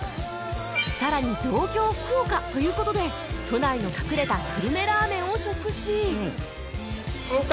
さらに同郷福岡という事で都内の隠れた久留米ラーメンを食し